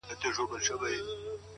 زه بې له تا گراني ژوند څنگه تېر كړم،